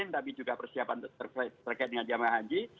tapi juga persiapan terkait dengan jemaah haji